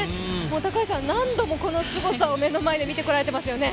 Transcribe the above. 何度もこのすごさを目の前で見てこられていますよね。